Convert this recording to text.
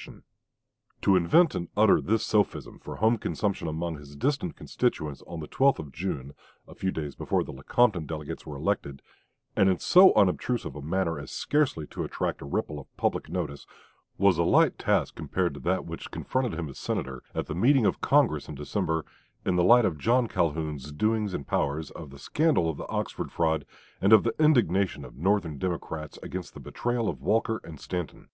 1857. To invent and utter this sophism for home consumption among his distant constituents on the 12th of June (a few days before the Lecompton delegates were elected), and in so unobtrusive a manner as scarcely to attract a ripple of public notice, was a light task compared with that which confronted him as Senator, at the meeting of Congress in December, in the light of John Calhoun's doings and powers, of the scandal of the Oxford fraud, and of the indignation of Northern Democrats against the betrayal of Walker and Stanton.